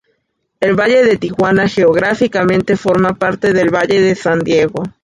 El valle de Tijuana geográficamente forma parte del valle de San Diego.